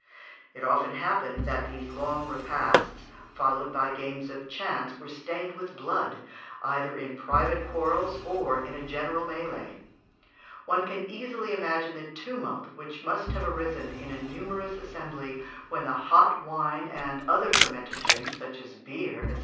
It often happened that these long repasts, followed by games of chance, were stained with blood, either in private quarrels or in a general mêlée. One can easily imagine the tumult which must have arisen in a numerous assembly when the hot wine and other fermented drinks, such as beer, &c.